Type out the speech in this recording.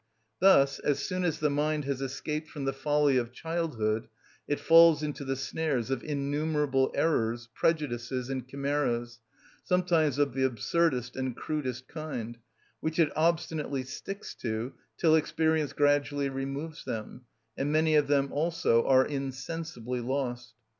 Thus as soon as the mind has escaped from the folly of childhood it falls into the snares of innumerable errors, prejudices, and chimeras, sometimes of the absurdest and crudest kind, which it obstinately sticks to, till experience gradually removes them, and many of them also are insensibly lost.